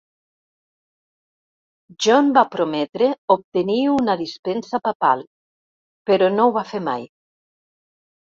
John va prometre obtenir una dispensa papal, però no ho va fer mai.